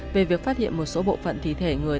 về việc phát hiện một số bộ phận thi thể người